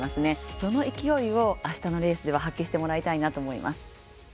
その勢いを明日のレースでは発揮してもらいたいなと思います。